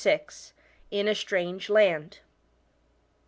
IN A STRANGE LAND.